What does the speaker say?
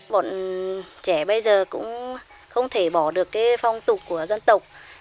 bọn trẻ bây giờ cũng không thể bỏ được cái phong tục của dân tộc